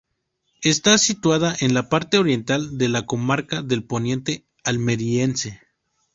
Está situada en la parte oriental de la comarca del Poniente Almeriense.